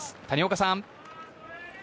谷岡さん。